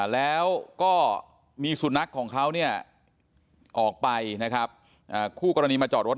แล้วก็มีสุนัขของเขาเนี่ยออกไปนะครับคู่กรณีมาจอดรถ